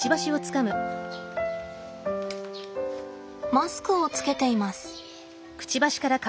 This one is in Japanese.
マスクをつけています。